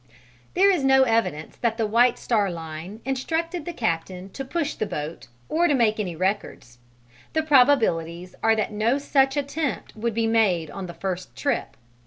There is no evidence that the White Star Line instructed the captain to push the boat or to make any records: the probabilities are that no such attempt would be made on the first trip.